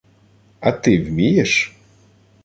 — А ти вмієш?